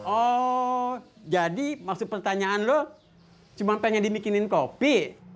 oh jadi maksud pertanyaan lo cuma pengen dibikinin kopi